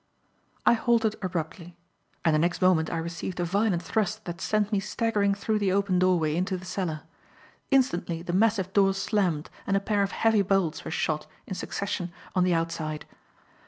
I halted abruptly; and the next moment I received a violent thrust that sent me staggering through the open doorway into the cellar. Instantly, the massive door slammed and a pair of heavy bolts were shot in succession on the outside.